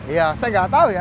iya saya nggak tahu ya